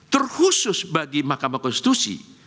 terkhusus bagi mahkamah konstitusi